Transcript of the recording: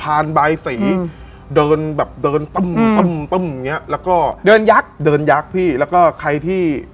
ภานใบสีเดินแบบเดินแต่ไหมแล้วก็เดินยักษ์เดินยักพี่แล้วใครที่